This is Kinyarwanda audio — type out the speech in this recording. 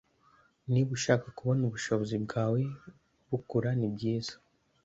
Niba ushaka kubona ubushobozi bwawe bukura ni byiza,